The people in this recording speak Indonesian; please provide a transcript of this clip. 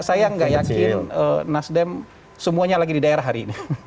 saya nggak yakin nasdem semuanya lagi di daerah hari ini